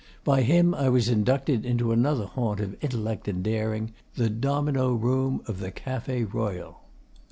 By him I was inducted into another haunt of intellect and daring, the domino room of the Cafe Royal.